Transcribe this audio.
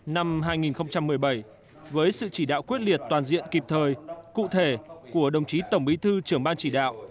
năm hai nghìn một mươi bảy với sự chỉ đạo quyết liệt toàn diện kịp thời cụ thể của đồng chí tổng bí thư trưởng ban chỉ đạo